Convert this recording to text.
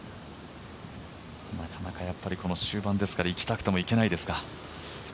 なかなか、終盤ですからいきたくてもいけないですか。